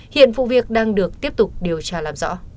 hiện phụ việc đang được tiếp tục điều tra